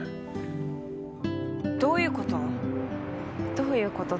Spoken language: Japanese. どういうこと？